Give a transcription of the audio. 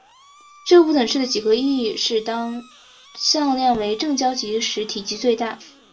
这不等式的几何意义是当向量为正交集时体积最大。